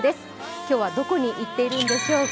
今日はどこに行っているのでしょうか。